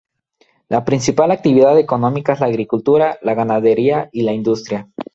La principal actividad económica es la agricultura, la ganadería y la industria.